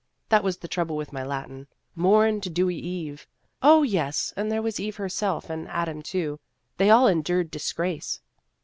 That was the trouble with my Latin. Morn to dewy eve. Oh, yes, and there was Eve herself, and Adam too. They all endured disgrace."